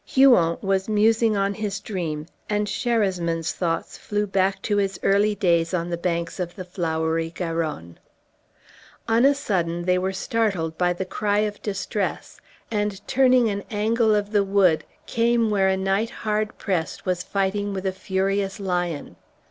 Huon was musing on his dream, and Sherasmin's thoughts flew back to his early days on the banks of the flowery Garonne. On a sudden they were startled by the cry of distress, and turning an angle of the wood, came where a knight hard pressed was fighting with a furious lion.